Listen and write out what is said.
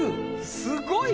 すごいな。